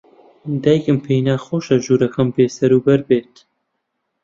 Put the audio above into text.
دایکم پێی ناخۆشە ژوورەکەم بێسەروبەر بێت.